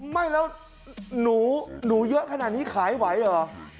ไม่แล้วหนูเยอะขนาดนี้ขายไหวเหรอ